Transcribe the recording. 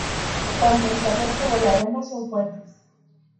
Tanto el sabor como el aroma son fuertes.